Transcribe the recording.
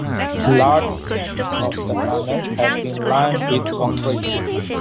Large portions of the tunnel have been lined with concrete.